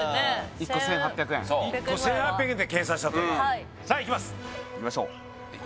１個１８００円１個１８００円で計算したとはいさあいきますいきましょう